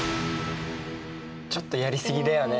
ちょっとやりすぎだよね。